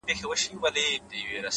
انسان د خپلو انتخابونو محصول دی’